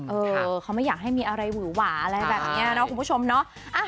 เออเขาไม่อยากให้มีอะไรหวือหวาอะไรแบบนี้เนาะคุณผู้ชมเนาะ